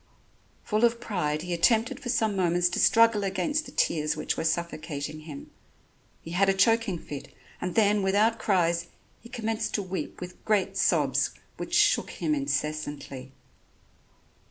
Full of pride he attempted for some moments to struggle against the tears which were suffocating him. He had a choking fit, and then without cries he commenced to weep with great sobs which shook him incessantly.